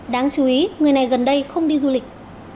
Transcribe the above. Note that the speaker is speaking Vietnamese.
đáng chú ý người này gần đây không đi du lịch